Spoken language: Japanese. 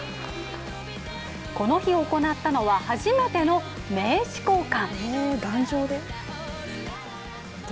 この日、行ったのは初めての名刺交換。